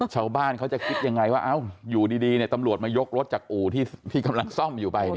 ชาวบ้านเขาจะคิดยังไงว่าอยู่ดีตำรวจมายกรถจากอู่ที่กำลังซ่อมอยู่ไป